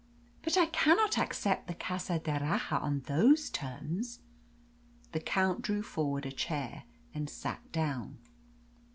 "But I cannot accept the Casa d'Erraha on those terms." The Count drew forward a chair and sat down.